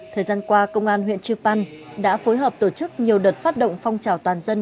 thời gian qua công an huyện chư păn đã phối hợp tổ chức nhiều đợt phát động phong trào toàn dân